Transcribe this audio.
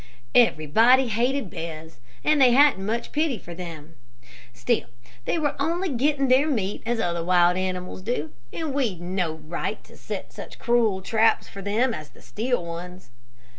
"Everybody hated bears, and hadn't much pity for them; still they were only getting their meat as other wild animals do, and we'd no right to set such cruel traps for them as the steel ones.